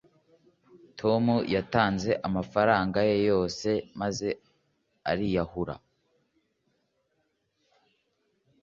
tom yatanze amafaranga ye yose noneho ariyahura